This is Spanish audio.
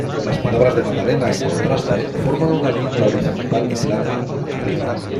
Las palabras de la Magdalena, en contraste, forman una línea horizontal plana arriba.